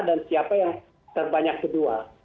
dan siapa yang terbanyak kedua